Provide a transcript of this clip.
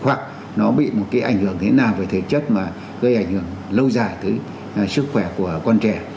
hoặc nó bị một cái ảnh hưởng thế nào về thể chất mà gây ảnh hưởng lâu dài tới sức khỏe của con trẻ